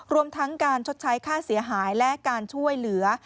รวมทั้งการชดใช้ค่าเสียหายและการช่วยเหลือ